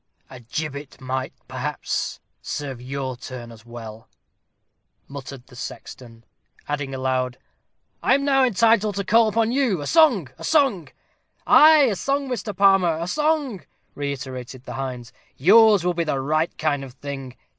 "A gibbet might, perhaps, serve your turn as well," muttered the sexton; adding aloud, "I am now entitled to call upon you; a song! a song!" "Ay, a song, Mr. Palmer, a song!" reiterated the hinds. "Yours will be the right kind of thing."